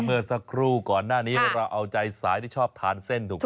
เมื่อสักครู่ก่อนหน้านี้เราเอาใจสายที่ชอบทานเส้นถูกไหม